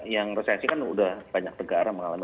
yang resesi kan sudah banyak negara mengalami